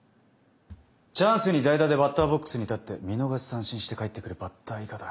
チャンスに代打でバッターボックスに立って見逃し三振して帰ってくるバッター以下だ。